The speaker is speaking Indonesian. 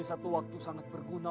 satu waktu sangat berguna